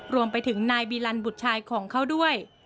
รวมไปถึงนายบีลันบุตรชายของเขาด้วย